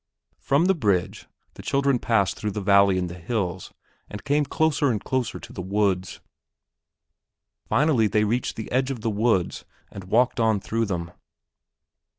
From the bridge, the children passed through the valleys in the hills and came closer and closer to the woods. Finally they reached the edge of the woods and walked on through them.